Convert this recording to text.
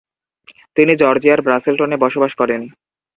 তিনি জর্জিয়ার ব্রাসেলটনে বসবাস করেন।